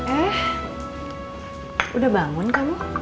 eh udah bangun kamu